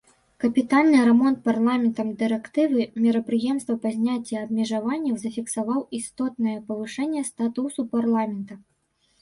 Капітальны рамонт парламентам дырэктывы мерапрыемства па зняцці абмежаванняў зафіксаваў істотнае павышэнне статусу парламента.